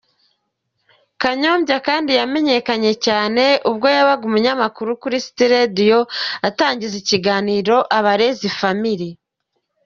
Kanyombya kandi yamenyekanye cyane ubwo yabaga umunyamakuru kuri City Radio atangiza ikiganiro "Abarezi Family".